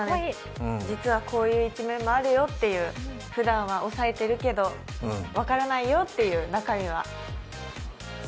実はこういう一面もあるよっていう、ふだんは抑えてるけど分からないよっていう、中身は。